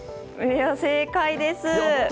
正解です！